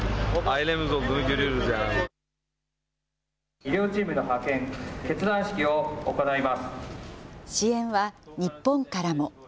医療チームの派遣、支援は日本からも。